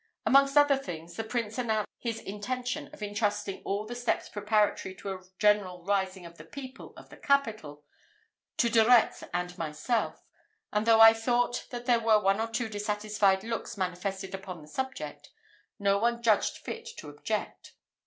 Amongst other things, the Prince announced his intention of intrusting all the steps preparatory to a general rising of the people of the capital, to De Retz and myself; and though I thought that there were one or two dissatisfied looks manifested upon the subject, no one judged fit to object.